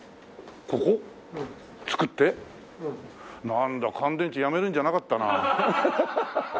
なんだ乾電池やめるんじゃなかったな。